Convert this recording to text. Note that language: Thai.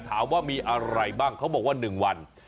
ถามว่ามีอะไรบ้างเขาบอกว่า๑วัน